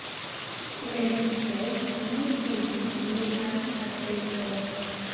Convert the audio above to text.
Sciencistoj fine vidis nian aspekton.